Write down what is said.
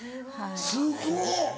すごっ。